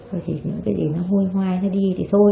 anh hiếu là con trai thứ hai của bà trần thị thúy